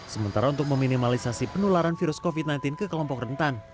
sementara untuk meminimalisasi penularan virus covid sembilan belas ke kelompok rentan